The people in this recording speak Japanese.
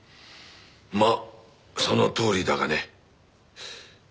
まあそのとおりだがね。